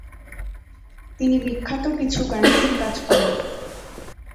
তিনি বিখ্যাত কিছু গাণিতিক কাজ করেন।